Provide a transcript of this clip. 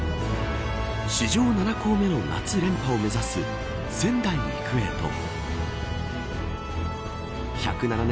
史上７校目の夏連覇を目指す仙台育英と１０７年